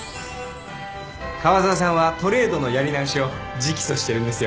川添さんはトレードのやり直しを直訴してるんですよ。